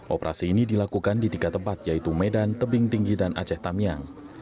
operasi ini dilakukan di tiga tempat yaitu medan tebing tinggi dan aceh tamiang